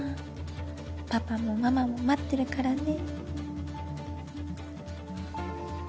パパもママも待ってるからね。